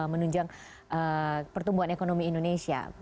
menunjang pertumbuhan ekonomi indonesia